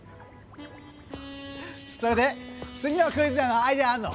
それで次のクイズのアイデアあるの？